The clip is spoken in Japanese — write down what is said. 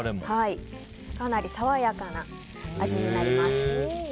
かなり爽やかな味になります。